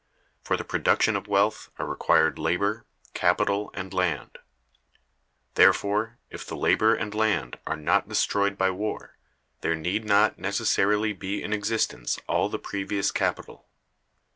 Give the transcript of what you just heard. For the production of wealth are required labor, capital, and land; therefore, if the labor and land are not destroyed by war, there need not necessarily be in existence all the previous capital.